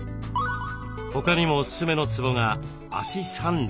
他にもおすすめのツボが「足三里」。